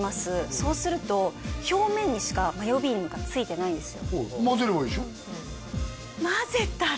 そうすると表面にしかマヨビームがついてないんですよ